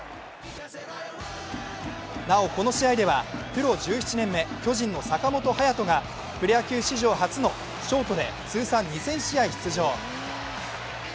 なお、この試合ではプロ１７年目巨人の坂本勇人がプロ野球史上初のショートで通算２０００試合出場。